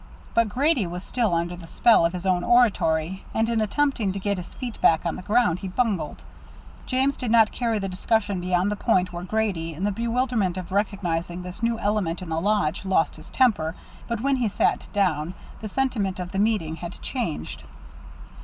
But Grady was still under the spell of his own oratory, and in attempting to get his feet back on the ground, he bungled. James did not carry the discussion beyond the point where Grady, in the bewilderment of recognizing this new element in the lodge, lost his temper, but when he sat down, the sentiment of the meeting had changed.